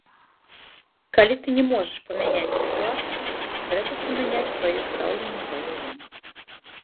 Калі ты не можаш памяняць сітуацыю, трэба памяняць сваё стаўленне да яе.